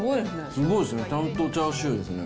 すごいですね、ちゃんとチャーシューですね。